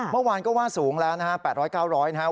เมื่อวานก็ว่าสูงแล้วนะฮะ๘๐๐๙๐๐นะครับ